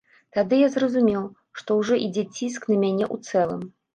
Тады я зразумеў, што ўжо ідзе ціск на мяне ў цэлым.